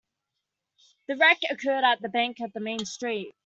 The wreck occurred by the bank on Main Street.